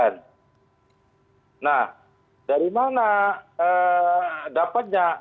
nah dari mana dapatnya